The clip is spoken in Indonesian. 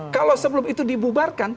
kalau sebelum itu dibubarkan